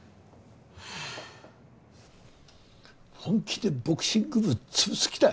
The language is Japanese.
本気でボクシング部潰す気だ